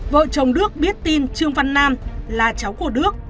vợ chồng đức biết tin trương văn nam là cháu của đức